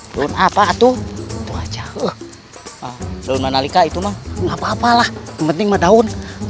pun apa tuh itu aja tuh menarik itu mah nggak papa lah penting adaun